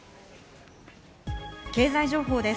経済情報です。